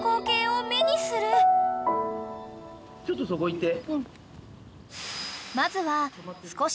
ちょっとそこいて。